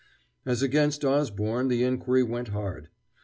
As against Osborne the inquiry went hard.